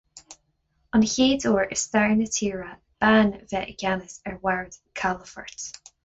An chéad uair i stair na tíre bean bheith i gceannas ar bhord calafoirt.